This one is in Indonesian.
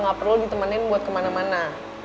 gak perlu ditemani buat kemana mana